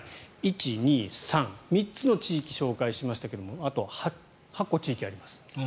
３つの地域をご紹介しましたがあと８個、地域あります。